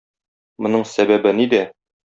Моның сәбәбе нидә?